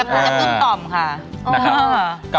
พูดรับต้นตอบค่ะ